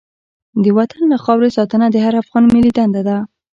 د وطن او خاورې ساتنه د هر افغان ملي دنده ده.